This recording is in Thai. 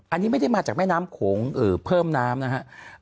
อันนี้ไม่ได้มาจากแม่น้ำโขงเพิ่มน้ำนะครับ